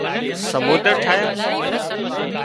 سمنۮر ٺاهيان